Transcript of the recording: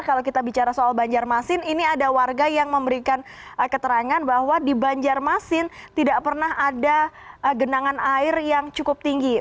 kalau kita bicara soal banjarmasin ini ada warga yang memberikan keterangan bahwa di banjarmasin tidak pernah ada genangan air yang cukup tinggi